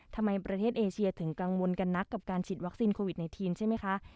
ทำไมประเทศเอเชียถึงกังวลกันนักกับการฉีดวัคซีนโควิด๑๙ใช่ไหมคะ